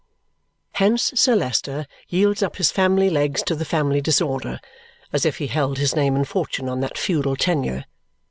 Hence Sir Leicester yields up his family legs to the family disorder as if he held his name and fortune on that feudal tenure.